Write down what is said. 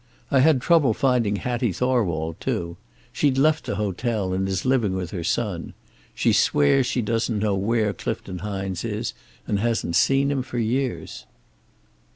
I had trouble finding Hattie Thorwald, too. She'd left the hotel, and is living with her son. She swears she doesn't know where Clifton Hines is, and hasn't seen him for years."